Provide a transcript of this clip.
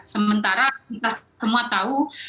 sementara kita semua tahu